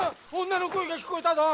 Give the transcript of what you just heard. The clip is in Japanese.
女の声が聞こえたぞ。